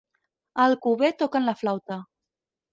A Alcover toquen la flauta.